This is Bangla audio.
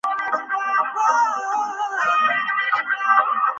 ধর্মঘটের কথা জানেন না—এমন অনেক যাত্রী সকাল থেকে নদী পারাপারের অপেক্ষায় রয়েছেন।